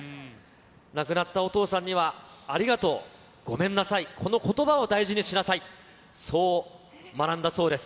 亡くなったお父さんには、ありがとう、ごめんなさい、このことばを大事にしなさい、そう学んだそうです。